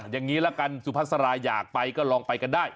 อย่างนี้ละกันสุภาษาอยากไปก็ลองไปกันได้